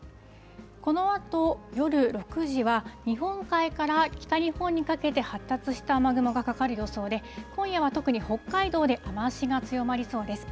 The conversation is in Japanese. このあと夜６時は、日本海から北日本にかけて発達した雨雲がかかる予想で、今夜は特に北海道で雨足が強まりそうです。